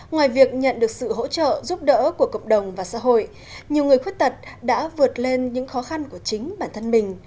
ngoài việc nhận được sự hỗ trợ giúp đỡ của cộng đồng và xã hội nhiều người khuyết tật đã vượt lên những khó khăn của chính bản thân mình